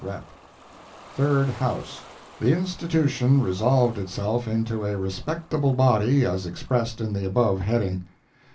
—REP.] THIRD HOUSE The institution resolved itself into a respectable body, as expressed in the above heading.